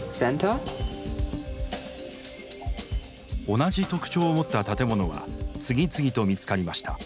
同じ特徴を持った建物は次々と見つかりました。